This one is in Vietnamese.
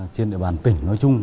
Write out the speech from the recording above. trên địa bàn tỉnh nói chung